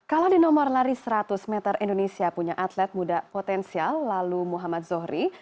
kalau di nomor lari seratus meter indonesia punya atlet muda potensial lalu muhammad zohri